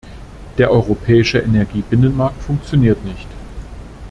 Der europäische Energiebinnenmarkt funktioniert nicht.